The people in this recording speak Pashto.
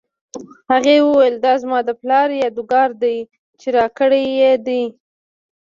هغې وویل دا زما د پلار یادګار دی چې راکړی یې و